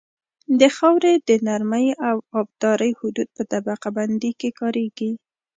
د خاورې د نرمۍ او ابدارۍ حدود په طبقه بندۍ کې کاریږي